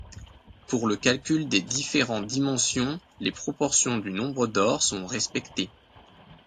Pour le calcul des différents dimensions les proportions du nombre d'or sont respectées.